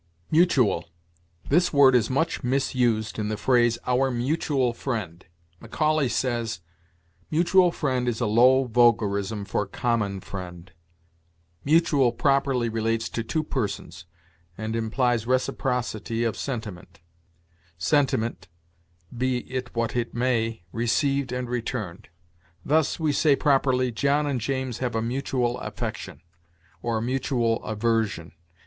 MUTUAL. This word is much misused in the phrase "our mutual friend." Macaulay says: "Mutual friend is a low vulgarism for common friend." Mutual properly relates to two persons, and implies reciprocity of sentiment sentiment, be it what it may, received and returned. Thus, we say properly, "John and James have a mutual affection, or a mutual aversion," i. e.